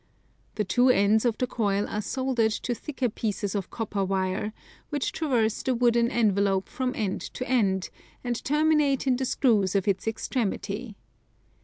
The two ends of the coil are soldered to thicker pieces of copper wire which traverse the wooden envelop from end to end, and terminate in the screws of its extremity.